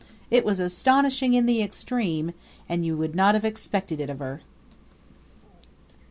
It was astonishing in the extreme, and you would not have expected it of her.